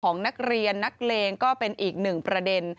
ของนักเรียนนักเลงก็เป็นอีกหนึ่งประเด็น